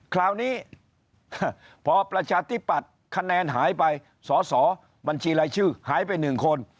คราวนี้พอประชาธิปัตย์คะแนนหายไปสอสอบัญชีรายชื่อหายไป๑คน